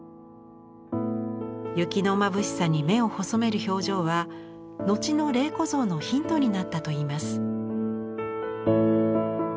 雪のまぶしさに目を細める表情は後の麗子像のヒントになったといいます。